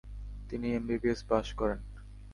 তিনি এমবিবিএস পাশ করেন।